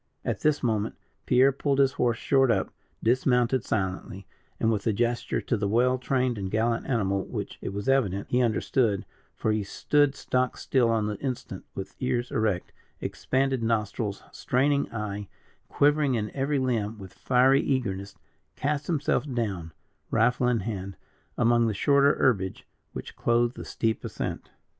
At this moment, Pierre pulled his horse short up, dismounted silently, and with a gesture to the well trained and gallant animal, which, it was evident, he understood for he stood stock still on the instant, with ears erect, expanded nostril, straining eye, quivering in every limb with fiery eagerness cast himself down, rifle in hand, among the shorter herbage which clothed the steep ascent.